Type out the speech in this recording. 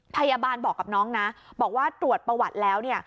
พยาบาลบอกกับน้องนะบอกว่าตรวจประวัติแล้วเนี่ย